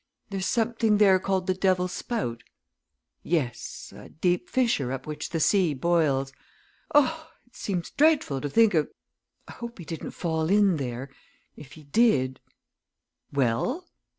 "There's something there called the Devil's Spout?" "Yes a deep fissure up which the sea boils. Oh! it seems dreadful to think of I hope he didn't fall in there. If he did " "Well?"